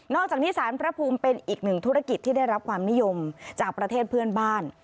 จากนี้สารพระภูมิเป็นอีกหนึ่งธุรกิจที่ได้รับความนิยมจากประเทศเพื่อนบ้าน